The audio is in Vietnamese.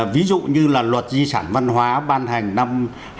ví dụ như là luật di sản văn hóa ban hành năm hai nghìn một